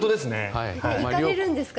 行かれるんですか？